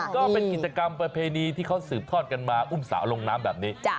ก็เป็นกิจกรรมประเพณีที่เขาสืบทอดกันมาอุ้มสาวลงน้ำแบบนี้